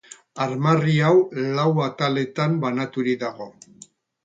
Armarri hau lau ataletan banaturik dago.